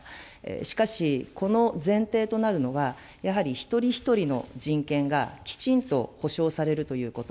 しかし、この前提となるのは、やはり一人一人の人権がきちんと保障されるということ。